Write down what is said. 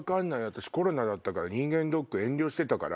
私コロナだったから人間ドック遠慮してたから。